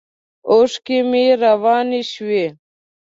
اوښکې مې روانې شوې.